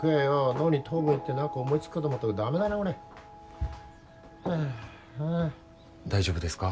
脳に糖分いって何か思いつくかと思ったけどダメだな俺はあ大丈夫ですか？